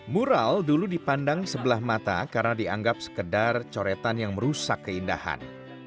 mural dulu dipandang sebelah mata karena dianggap sekedar coretan yang merusak keindahan